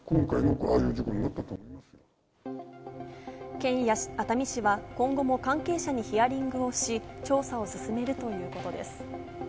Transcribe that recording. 県や熱海市は今後も関係者にヒアリングをし、調査を進めるということです。